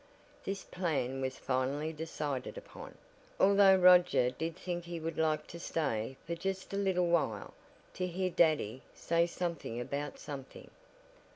This plan was finally decided upon, although Roger did think he would like to stay for "just a little while" to hear "Daddy" say "something about something."